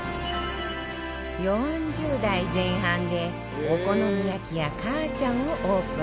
４０代前半でお好み焼き屋かあちゃんをオープン